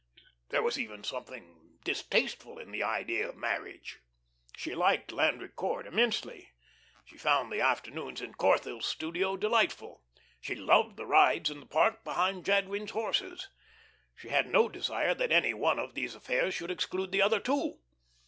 There was even something distasteful in the idea of marriage. She liked Landry Court immensely; she found the afternoons in Corthell's studio delightful; she loved the rides in the park behind Jadwin's horses. She had no desire that any one of these affairs should exclude the other two.